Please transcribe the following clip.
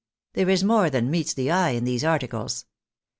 There is more than meets the eye in these articles.